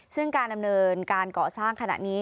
ซึ่งการดำเนินการก่อสร้างขณะนี้